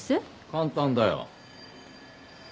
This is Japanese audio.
簡単だよ。